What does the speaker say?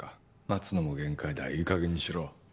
待つのも限界だいいかげんにしろ